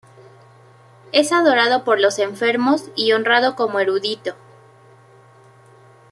Es adorado por los enfermos y honrado como erudito.